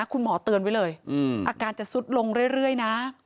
คุณหมอเตือนไว้เลยอืมอาการจะซุดลงเรื่อยเรื่อยน่ะ